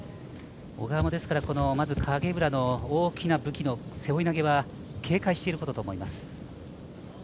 小川も、まず影浦の大きな武器の背負い投げは警戒していることと思います。